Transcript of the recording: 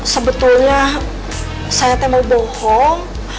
sebetulnya saya temel bohong